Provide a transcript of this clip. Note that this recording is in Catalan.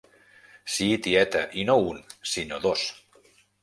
Sí, tieta, i no un, sinó dos.